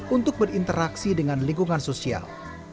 untuk berinteraksi dengan lingkungan sosial